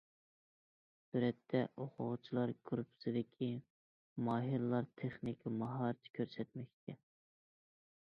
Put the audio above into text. سۈرەتتە: ئوقۇغۇچىلار گۇرۇپپىسىدىكى ماھىرلار تېخنىكا ماھارىتى كۆرسەتمەكتە.